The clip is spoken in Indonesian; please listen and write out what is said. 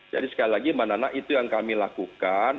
jadi sekali lagi itu yang kami lakukan